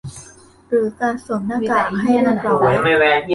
หรือการสวมหน้ากากให้เรียบร้อย